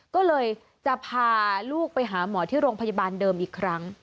ก็เลยจะพาลูกไปหาหมอที่โรงพยาบาลเดิมอีกครั้ง